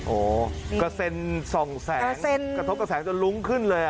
โอ้โหกระเซ็น๒แสนกระทบกระแสจนลุ้งขึ้นเลย